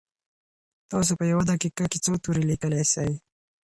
تاسو په یوه دقیقه کي څو توري لیکلی سئ؟